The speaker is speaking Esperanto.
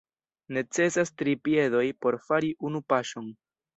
Necesas tri piedoj por fari unu paŝon.